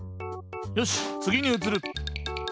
よしつぎにうつる。